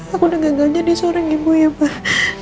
aku udah gagalnya di seorang ibu ya pak